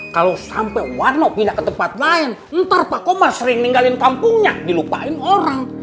kalau sampai waduh pindah ke tempat lain ntar pak komar sering ninggalin kampungnya dilupain orang